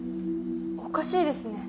おかしいですね。